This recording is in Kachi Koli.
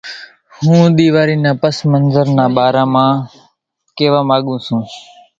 ھون ۮيواري نا پس منظر نا ٻارا مان ڪيوا ماڳون سون